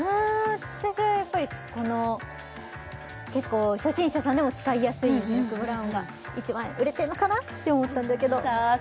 私はやっぱりこの結構初心者さんでも使いやすいミルクブラウンが一番売れてんのかなって思ったんだけどさあ